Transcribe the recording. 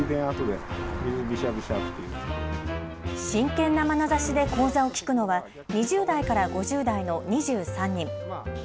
真剣なまなざしで講座を聞くのは２０代から５０代の２３人。